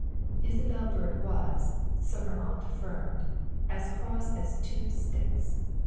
Isabel Byrd was, so her aunt affirmed, as cross as two sticks.